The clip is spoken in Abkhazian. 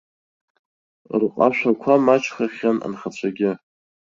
Рҟашәақәа маҷхахьан анхацәагьы.